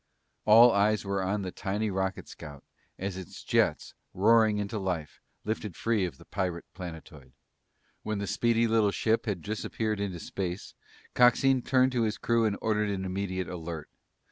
All eyes were on the tiny rocket scout as its jets, roaring into life, lifted free of the pirate planetoid. When the speedy little ship had disappeared into space, Coxine turned to his crew and ordered an immediate alert.